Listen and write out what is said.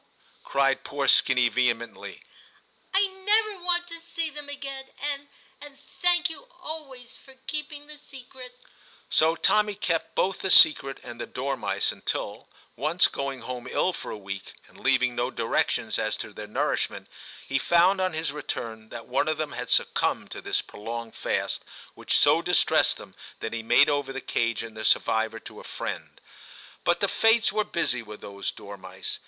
* cried poor Skinny vehe mently, * I never want to see them again ; and — and — thank you always for keeping the secret/ So Tommy kept both the secret and the dormice until, once going home ill for a week, and leaving no directions as to their nourish ment, he found on his return that one of them had succumbed to this prolonged fast, which so distressed him that he made over the cage and the survivor to a friend. But the fates were busy with those dormice.